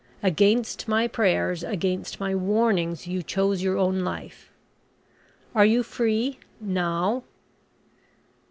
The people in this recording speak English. Against my prayers, against my warnings, you chose your own life. Are you free now?"